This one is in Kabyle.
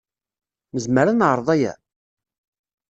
Nezmer ad neɛreḍ aya?